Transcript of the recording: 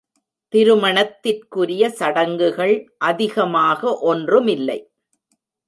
திருமணத்திற்குரிய சடங்குகள் அதிகமாக ஒன்றுமில்லை.